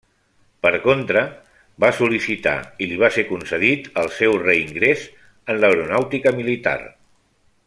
Per contra, va sol·licitar i li va ser concedit el seu reingrés en l'Aeronàutica Militar.